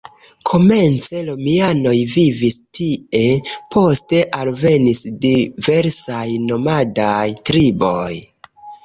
Komence romianoj vivis tie, poste alvenis diversaj nomadaj triboj.